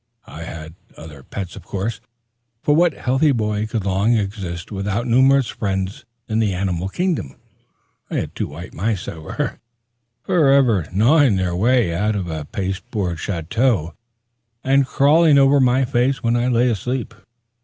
I had other pets, of course; for what healthy boy could long exist without numerous friends in the animal kingdom? I had two white mice that were forever gnawing their way out of a pasteboard chateau, and crawling over my face when I lay asleep.